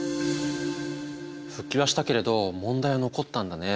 復帰はしたけれど問題は残ったんだね。